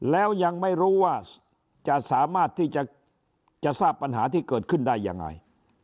แล้วยังไม่รู้ว่าจะสามารถที่จะทราบปัญหาที่เกิดขึ้นได้ยังไง